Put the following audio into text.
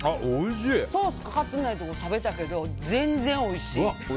ソースかかってないところ食べたけど全然おいしい。